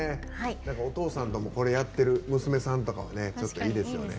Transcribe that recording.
お父さんともこれやってる娘さんとかはねいいですよね。